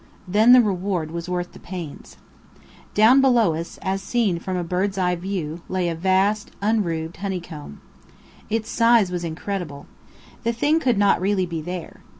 Then the reward was worth the pains. Down below us, seen as from a bird's eye view, lay a vast, unroofed honeycomb. It's size was incredible. The thing could not really be there.